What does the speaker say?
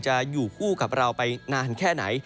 อยู่คู่กับเราไปนานแค่ไหน